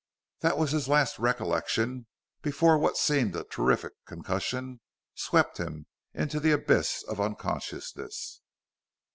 That was his last recollection, before what seemed a terrific concussion swept him into the abyss of unconsciousness....